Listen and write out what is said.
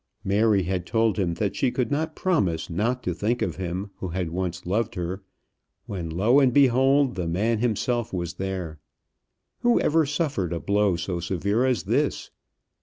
Mary had told him that she could not promise not to think of him who had once loved her, when, lo and behold! the man himself was there. Who ever suffered a blow so severe as this?